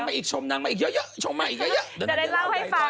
แต่ก็เล่าให้ฟัง